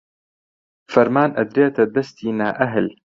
فەرمان ئەدرێتە دەستی نائەهل